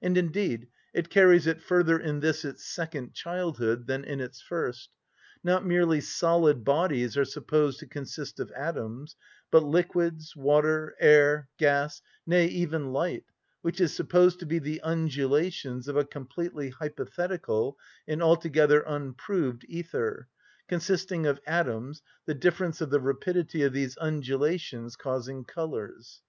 And indeed it carries it further in this its second childhood than in its first. Not merely solid bodies are supposed to consist of atoms, but liquids, water, air, gas, nay, even light, which is supposed to be the undulations of a completely hypothetical and altogether unproved ether, consisting of atoms, the difference of the rapidity of these undulations causing colours.